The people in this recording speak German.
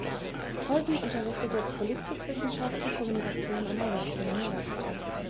Holden unterrichtet jetzt Politikwissenschaft und Kommunikation an der Webster University.